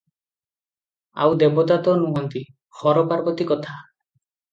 ଆଉ ଦେବତା ତ ନୁହନ୍ତି; ହର ପାର୍ବତୀ କଥା ।